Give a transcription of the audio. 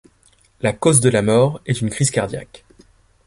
La cause de la mort est une crise cardiaque.